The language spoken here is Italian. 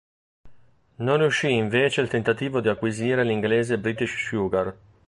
Non riuscì invece il tentativo di acquisire l'inglese British Sugar.